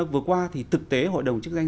vừa qua thì thực tế hội đồng chức danh